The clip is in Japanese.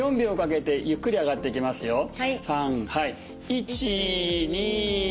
１２３。